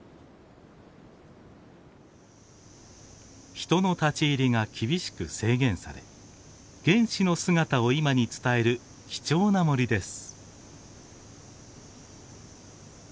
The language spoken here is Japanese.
人の立ち入りが厳しく制限され原始の姿を今に伝える貴重な森です。